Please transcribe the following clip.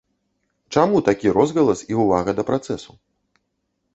Чаму такі розгалас і ўвага да працэсу?